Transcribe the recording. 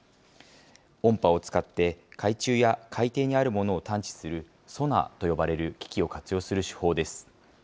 音波を使って海中や海底にあるものを探知するソナーと呼ばれる機器を活用する手法です。